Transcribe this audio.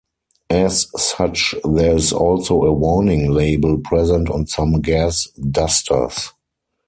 As such, there is also a warning label present on some gas dusters.